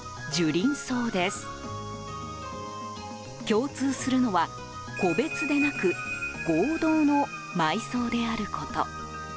共通するのは、個別でなく合同の埋葬であること。